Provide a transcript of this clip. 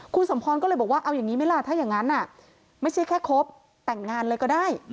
คุณสมพรก็เลยบอกว่าเอาอย่างนี้ไหมล่ะถ้าอย่างนั้นไม่ใช่แค่คบแต่งงานเลยก็ได้